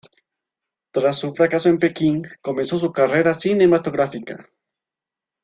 Tras su fracaso en Pekín, comenzó su carrera cinematográfica.